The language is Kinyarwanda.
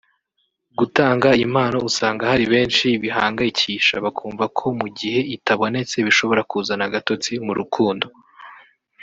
Gutanga impano usanga hari benshi bihangayikisha bakumva ko mu gihe itabonetse bishobora kuzana agatotsi mu rukundo